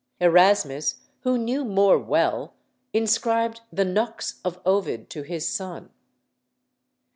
Erasmus, who knew More well, inscribed the "Nux" of Ovid to his son.